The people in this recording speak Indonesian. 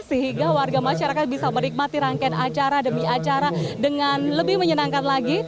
sehingga warga masyarakat bisa menikmati rangkaian acara demi acara dengan lebih menyenangkan lagi